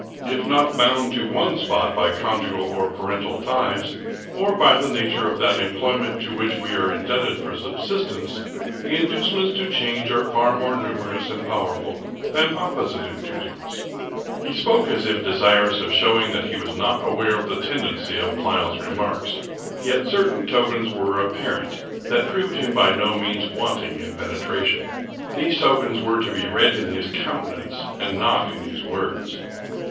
H not bound to one spot by conjugal or parental ties, or by the nature of that employment to which we are in debted for subsistence, the inducements to change are far more numerous and powerful than opposite inducements. 244 Charles Brockdcn Brozvn He spoke as if desirous of shewing that he was not aware of the tendency of Pleyel's remarks ; yet certain tokens were apparent that proved him by no means wanting in penetra tion. These tokens were to be read in his countenance, and not in his words.